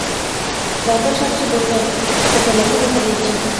বেঙ্কট শাস্ত্রী বললে, কোপের লক্ষণ দেখা দিয়েছে।